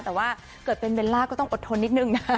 แต่ว่าเกิดเป็นเบลล่าก็ต้องอดทนนิดนึงนะ